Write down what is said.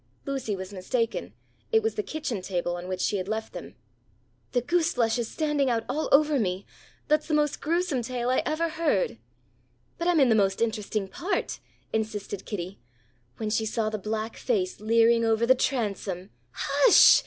Lucy was mistaken. It was the kitchen table on which she had left them. "The goose flesh is standing out all over me! That's the most gruesome tale I ever heard." "But I'm in the most interesting part," insisted Kitty. "When she saw the black face leering over the transom " "Hush!"